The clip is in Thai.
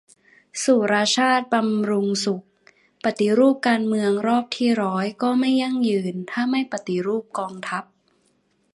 สุรชาติ บำรุงสุข : ปฏิรูปการเมืองรอบที่ร้อยก็ไม่ยั่งยืน ถ้าไม่ปฏิรูปกองทัพ